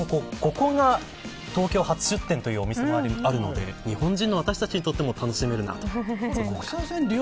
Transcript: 東京初出店というお店もあるので日本人の私たちも楽しめるなと。